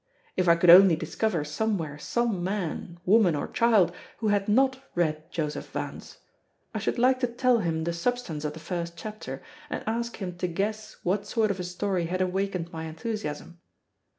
If I could only discover somewhere some man, woman, or child who had not read Joseph Vance, I should like to tell him the substance of the first chapter, and ask him to guess what sort of a story had awakened my enthusiasm.